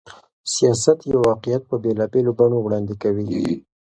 سياست يو واقعيت په بېلابېلو بڼو وړاندې کوي.